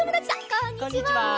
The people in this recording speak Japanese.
こんにちは！